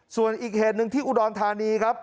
ส่วนอีกเหตุหนึ่งที่อุดรธานีครับ